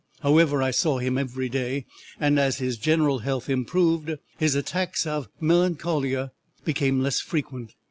However, I saw him every day, and as his general health improved, his attacks of melancholia became less frequent.